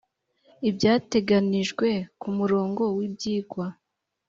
ibyateganijwe ku umurongo w ibyigwa